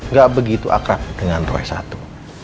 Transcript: nggak begitu akrab dengan roy satu